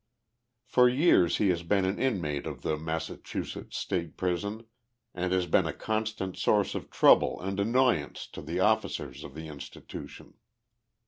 Foi years he has been an inmate of the Massachusetts State Prison and has been a constant source of trouble and annoyance to the officers of the institution.